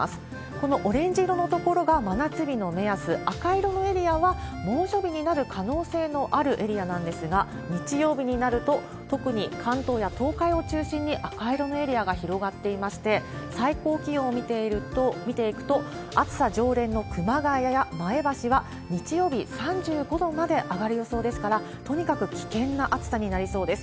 このオレンジ色の所が真夏日の目安、赤色のエリアは猛暑日になる可能性のあるエリアなんですが、日曜日になると、特に関東や東海を中心に赤色のエリアが広がっていまして、最高気温を見ていくと、暑さ常連の熊谷や前橋は日曜日、３５度まで上がる予想ですから、とにかく危険な暑さになりそうです。